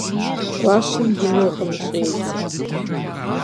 Гуащэм ину гъын щӀедзэ.